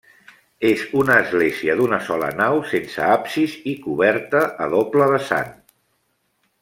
És una església d'una sola nau sense absis i coberta a doble vessant.